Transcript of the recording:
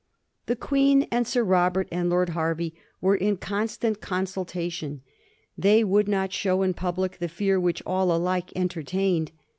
The Queen and Sir Robert and Lord Hervey were in constant consultation. They would not show in public the fear which all alike entertained.